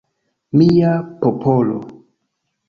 Mia popolo!